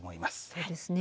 そうですね。